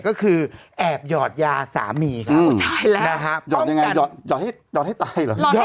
ก็คือแอบหยอดยาสามีครับนะฮะหอดยังไงหอดให้หอดให้ตายเหรอ